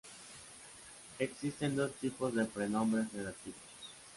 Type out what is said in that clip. Existen dos tipos de pronombres relativos.